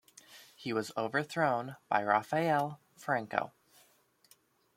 He was overthrown by Rafael Franco.